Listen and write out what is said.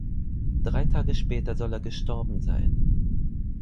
Drei Tage später soll er gestorben sein.